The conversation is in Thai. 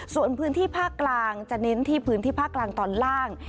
ส่วนพื้นที่ภาคกลางจะเน้นที่พื้นที่ภาคกลางตอนล่าง